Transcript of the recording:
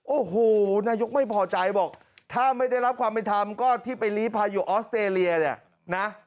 โอ้โหนายกไม่พอใจบอกถ้าไม่ได้รับความเป็นธรรมก็ที่ไปลีภัยอยู่ออสเตรเลียเนี่ยนะ